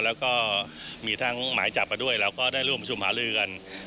แล้วก็มีทางหมายจับมาด้วยเราก็ได้ร่วมผลการประชุมหนาลือกัน